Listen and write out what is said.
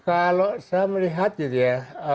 kalau saya melihat gitu ya